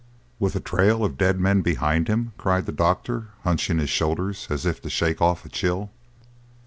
"With a trail of dead men behind him?" cried the doctor, hunching his shoulders as if to shake off a chill.